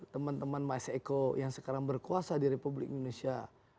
teman teman mas eko yang sekarang berkuasa di republik indonesia